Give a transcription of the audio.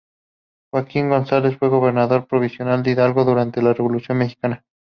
Joaquín González fue gobernador provisional de Hidalgo durante la Revolución mexicana.